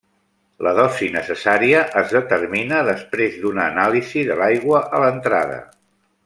La dosi necessària es determina després d'una anàlisi de l'aigua a l'entrada.